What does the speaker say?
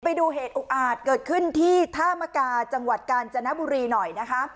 ไปดูเหตุอุกอาจเกิดขึ้นที่ท่ามกาจังหวัดกาญจนบุรีหน่อยนะคะ